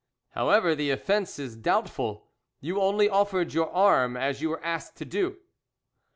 "However, the offence is doubtful, you only offered your arm, as you were asked to do."